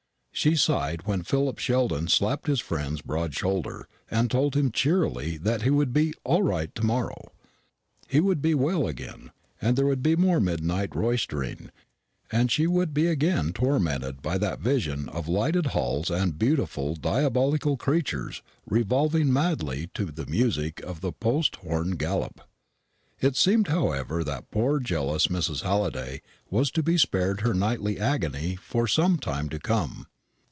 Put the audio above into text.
She sighed when Philip Sheldon slapped his friend's broad shoulder, and told him cheerily that he would be "all right to morrow." He would be well again, and there would be more midnight roistering, and she would be again tormented by that vision of lighted halls and beautiful diabolical creatures revolving madly to the music of the Post horn Galop. It seemed, however, that poor jealous Mrs. Halliday was to be spared her nightly agony for some time to come.